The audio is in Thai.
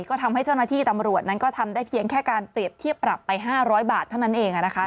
ก็ทำให้เจ้าหน้าที่ตำรวจนั้นก็ทำได้เพียงแค่การเปรียบเทียบปรับไป๕๐๐บาทเท่านั้นเอง